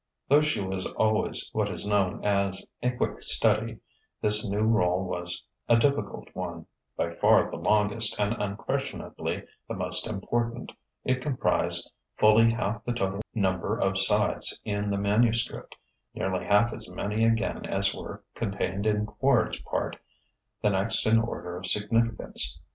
Though she was always what is known as a "quick study," this new rôle was a difficult one; by far the longest, and unquestionably the most important, it comprised fully half the total number of "sides" in the manuscript nearly half as many again as were contained in Quard's part, the next in order of significance.